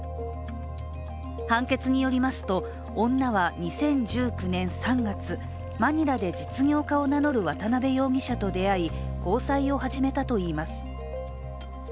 判決によりますと、女は２０１９年３月マニラで実業家を名乗る渡辺容疑者と出会い交際を始めたといいます。